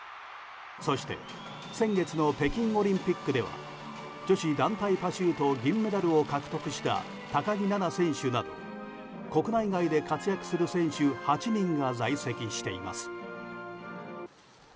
そして、先月の北京オリンピックでは女子団体パシュート銀メダルを獲得した高木菜那選手など国内外で活躍する選手８人が在籍しています。